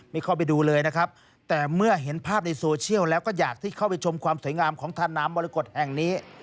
เข้าไปดูเลยนะครับแต่เมื่อเห็นภาพในโซเชียลแล้วก็อยากที่เข้าไปชมความสวยงามของทานน้ำมรกฏแห่งนี้